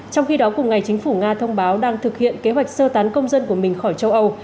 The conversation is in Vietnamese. trong khi đó cùng ngày chính phủ nga thông báo đang thực hiện kế hoạch sơ tán công dân của mình khỏi châu âu